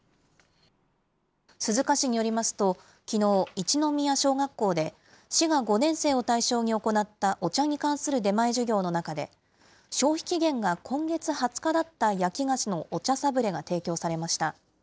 鈴鹿市によりますと、きのう、一ノ宮小学校で、市が５年生を対象に行ったお茶に関する出前授業の中で、消費期限が今月２０日だった焼き菓子のお茶サブレが提供されました。